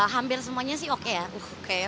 hampir semuanya sih oke ya oke